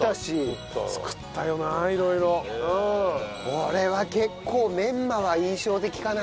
俺は結構メンマは印象的かな。